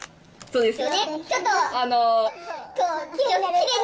そうですね。